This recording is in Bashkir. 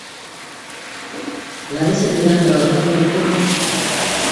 Лариса биргән һорауҙы онотмағыҙ.